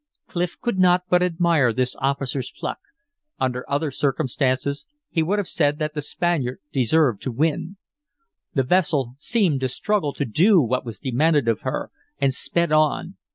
Clif could not but admire this officer's pluck. Under other circumstances, he would have said that the Spaniard deserved to win. The vessel seemed to struggle to do what was demanded of her, and sped on.